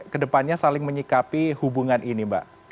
kedepannya saling menyikapi hubungan ini mbak